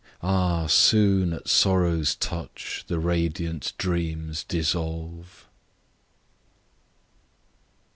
Ah! soon at Sorrow's touch the radiant dreams dissolve!